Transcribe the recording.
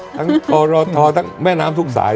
ทั้งโตรททั้งแม่น้ำทุ่มสาย